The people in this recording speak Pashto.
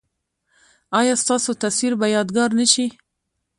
ایا ستاسو تصویر به یادګار نه شي؟